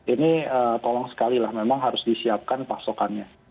ini tolong sekali lah memang harus disiapkan pasokannya